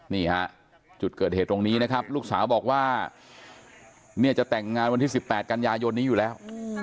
นี่ฮะจุดเกิดเหตุตรงนี้นะครับลูกสาวบอกว่าเนี่ยจะแต่งงานวันที่๑๘กันยายนนี้อยู่แล้ว